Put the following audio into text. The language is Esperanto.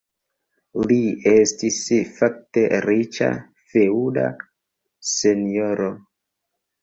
Li estis fakte riĉa feŭda senjoro.